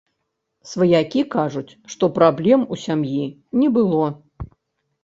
Сваякі кажуць, што праблем у сям'і не было.